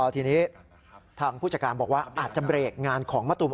ทีนี้ทางผู้จัดการบอกว่าอาจจะเบรกงานของมะตูม